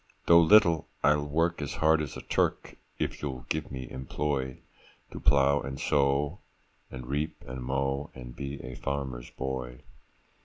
Though little, I'll work as hard as a Turk, If you'll give me employ, To plow and sow, and reap and mow, And be a farmer's boy.